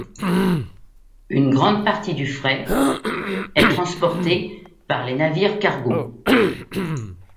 Une grande partie du fret est transporté par les navires cargos.